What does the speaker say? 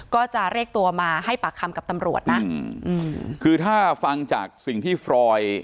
ก็จะเรียกตัวมาให้ปากคำกับตำรวจนะอืมคือถ้าฟังจากสิ่งที่ฟรอย